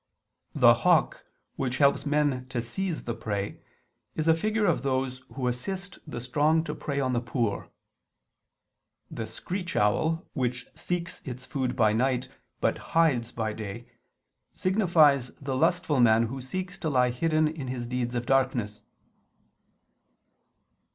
The hawk, which helps men to seize the prey, is a figure of those who assist the strong to prey on the poor. The screech owl, which seeks its food by night but hides by day, signifies the lustful man who seeks to lie hidden in his deeds of darkness.